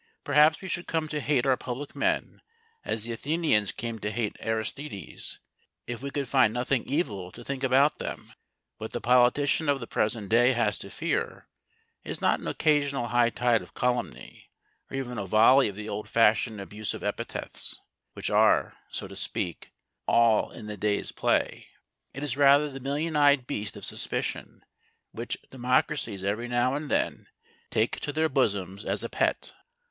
Perhaps we should come to hate our public men as the Athenians came to hate Aristides if we could find nothing evil to think about them. What the politician of the present day has to fear is not an occasional high tide of calumny, or even a volley of the old fashioned abusive epithets, which are, so to speak, all in the day's play. It is rather the million eyed beast of suspicion which democracies every now and then take to their bosoms as a pet.